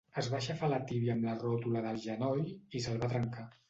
Es va aixafar la tíbia amb la ròtula del genoll i se'l va trencar.